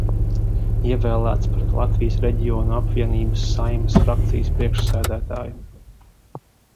Ievēlēts par Latvijas Reģionu apvienības Saeimas frakcijas priekšsēdētāju.